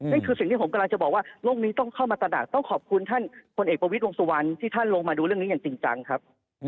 นี่คือสิ่งที่ผมกำลังจะบอกว่าโลกนี้ต้องเข้ามาตลาดต้องขอบคุณท่านพลเอกประวิทย์วงสุวรรณที่ท่านลงมาดูเรื่องนี้อย่างจริงจังครับ